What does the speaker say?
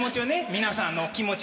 皆さんの気持ち